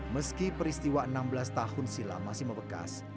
meski peristiwa enam belas tahun silam masih membekas